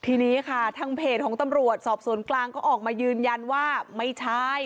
ทีนี้ค่ะทางเพจของตำรวจสอบสวนกลางก็ออกมายืนยันว่าไม่ใช่